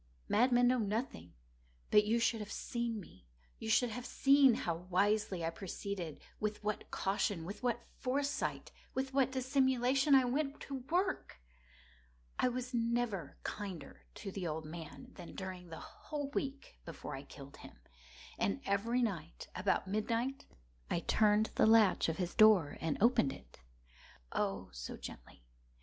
Madmen know nothing. But you should have seen me. You should have seen how wisely I proceeded—with what caution—with what foresight—with what dissimulation I went to work! I was never kinder to the old man than during the whole week before I killed him. And every night, about midnight, I turned the latch of his door and opened it—oh, so gently!